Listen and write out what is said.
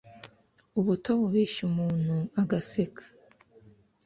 ubuto bubeshya umuntu agaseka